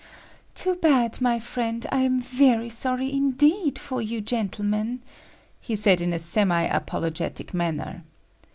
"Too bad, my friend; I am very sorry indeed for you gentlemen," he said in a semi apologetic manner.